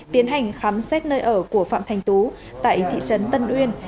tiến hành khám xét nơi ở của phạm thành tú tại thị trấn tân uyên